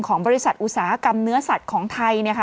ของบริษัทอุตสาหกรรมเนื้อสัตว์ของไทย